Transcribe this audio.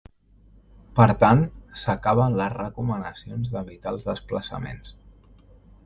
Per tant, s’acaben les recomanacions d’evitar els desplaçaments.